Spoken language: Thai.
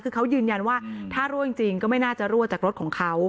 คือเขายืนยันว่าถ้ารั่วจริงก็ไม่น่าจะรั่วจากรถของเขา